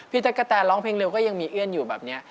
ตั๊กกะแตนร้องเพลงเร็วก็ยังมีเอื้อนอยู่แบบนี้